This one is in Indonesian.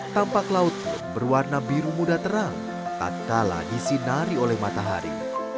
tampak laut pun berwarna biru muda terang tak kalah disinari oleh matahari